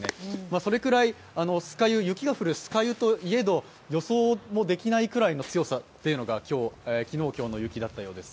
それくらい雪が降る酸ヶ湯といえど予想もできないくらいの強さというのが昨日、今日の雪だったようです。